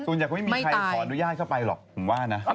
ส่วนใหญ่ไม่มีใครขอนุญาตเข้าไปหรอกผมว่านะ